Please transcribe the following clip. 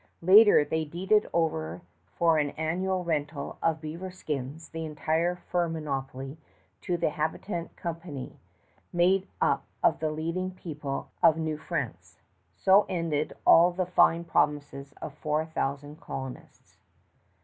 Later they deeded over for an annual rental of beaver skins the entire fur monopoly to the Habitant Company, made up of the leading people of New France. So ended all the fine promises of four thousand colonists.